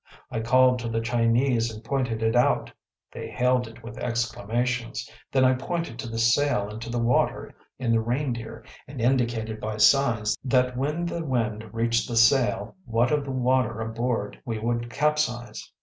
I called to the Chinese and pointed it out. They hailed it with exclamations. Then I pointed to the sail and to the water in the Reindeer, and indicated by signs that when the wind reached the sail, what of the water aboard we would capsize.